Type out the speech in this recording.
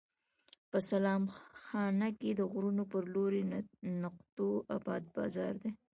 په سلام خانه کې د غرونو پر لوړو نقطو اباد بازار دی.